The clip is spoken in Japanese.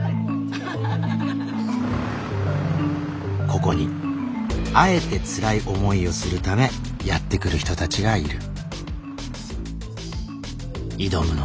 ここにあえてつらい思いをするためやって来る人たちがいる。